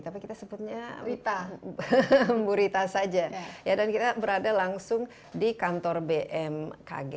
tapi kita sebutnya bu rita saja ya dan kita berada langsung di kantor bmkg